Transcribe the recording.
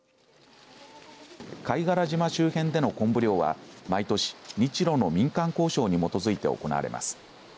貝殻島周辺でのコンブ漁は毎年日ロの民間交渉に基づいて行われます。